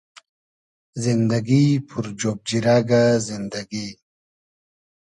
زیندئگی پور جۉب جیرئگۂ زیندئگی